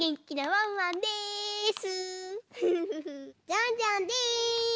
ジャンジャンです！